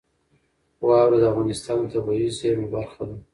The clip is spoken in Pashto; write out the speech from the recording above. واوره د افغانستان د طبیعي زیرمو برخه ده.